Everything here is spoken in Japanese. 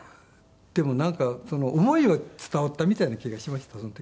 でもなんか思いは伝わったみたいな気がしましたその時。